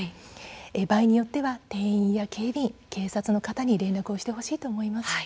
場合によっては、店員や警備員警察の方に連絡をしてほしいと思います。